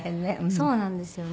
そうなんですよね。